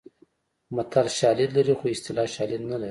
متل شالید لري خو اصطلاح شالید نه لري